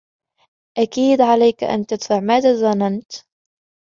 أكيد عليك أن تدفع. ماذا ظننت ؟